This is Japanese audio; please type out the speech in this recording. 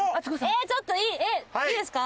ええちょっといいいいですか？